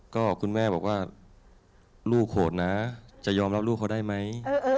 ก็คุณแม่บอกว่าลูกโหดนะจะยอมรับลูกเขาได้ไหม